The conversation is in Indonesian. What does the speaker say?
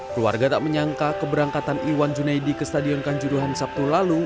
keluarga tak menyangka keberangkatan iwan junaidi ke stadion kanjuruhan sabtu lalu